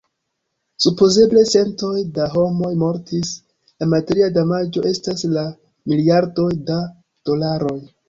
Supozeble centoj da homoj mortis; la materia damaĝo estas de miliardoj da dolaroj.